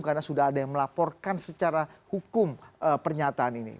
karena sudah ada yang melaporkan secara hukum pernyataan ini